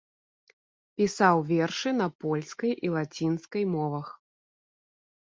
Пісаў вершы на польскай і лацінскай мовах.